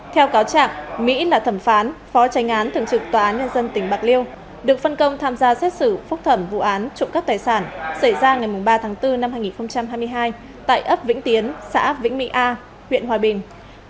theo cáo trạng mỹ là thẩm phán phó tranh án thường trực tòa án nhân dân tỉnh bạc liêu được phân công tham gia xét xử phúc thẩm vụ án trụng cấp tài sản xảy ra ngày ba tháng bốn năm hai nghìn hai mươi hai tại ấp vĩnh tiến xã vĩnh mỹ a huyện hòa bình